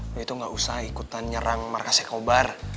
lu itu gak usah ikutan nyerang markasnya kobar